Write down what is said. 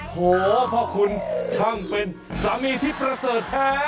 โหพ่อคุณช่างเป็นสามีที่ประเสริฐแท้